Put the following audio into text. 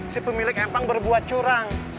si pemilik empang berbuat curang